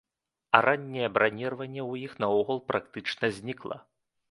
А ранняе браніраванне ў іх наогул практычна знікла.